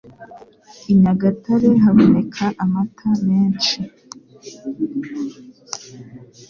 i Nyagatare haboneka amata menshi